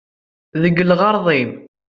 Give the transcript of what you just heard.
Deg lɣeṛḍ-im!